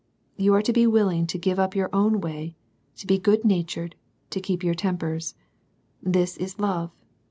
You are to be willing to give up your own way, to be good natured, to keep your tempers. This is love.